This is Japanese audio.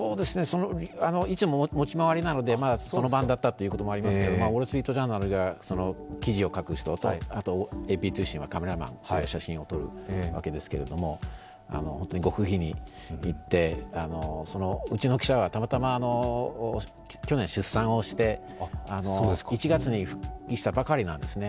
いつも持ち回りなのでその番だったということもありますが「ウォール・ストリート・ジャーナル」が記事を書く人とＡＰ通信はカメラマン、写真を撮るわけですけれども極秘に行って、うちの記者がたまたま去年出産をして、１月に復帰したばかりなんですね。